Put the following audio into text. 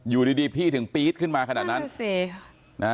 อยู่ดีพี่ถึงปี๊ดขึ้นมาขนาดนั้น